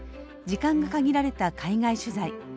時間が限られた海外取材。